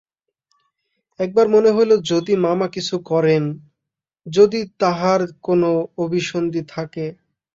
একবার মনে হইল যদি মামা কিছু করেন, যদি তাঁহার কোন অভিসন্ধি থাকে?